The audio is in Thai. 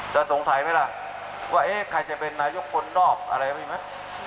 จะสงสัยไหมล่ะว่าเอ๊ะใครจะเป็นนายุคคลนอกอะไรไม่มั้ย